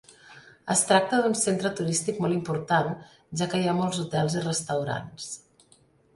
Es tracta d'un centre turístic molt important, ja que hi ha molts hotels i restaurants.